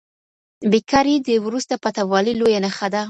بې کاري د وروسته پاته والي لویه نښه ده.